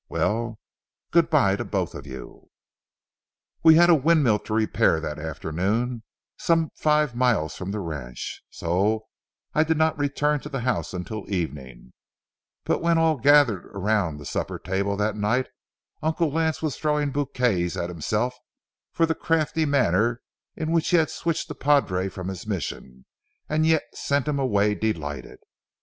Well, good by to both of you." We had a windmill to repair that afternoon, some five miles from the ranch, so that I did not return to the house until evening; but when all gathered around the supper table that night, Uncle Lance was throwing bouquets at himself for the crafty manner in which he had switched the padre from his mission, and yet sent him away delighted.